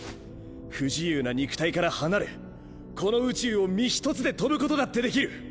不自由な肉体から離れこの宇宙を身一つで飛ぶことだってできる。